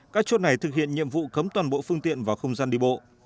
các chốt này thực hiện nhiệm vụ cấm toàn bộ phương tiện vào không gian đi bộ